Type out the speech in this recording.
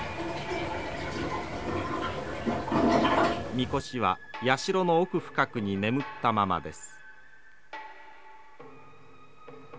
みこしは社の奥深くに眠ったままです。